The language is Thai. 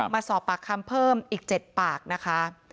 มาสอบปากคำเพิ่มอีก๗ปากนะคะ